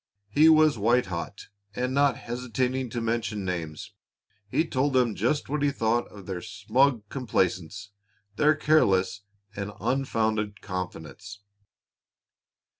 He was white hot, and not hesitating to mention names, he told them just what he thought of their smug complaisance, their careless, unfounded confidence.